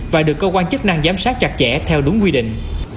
và được cơ quan chức năng giám sát chặt chẽ theo đúng quy định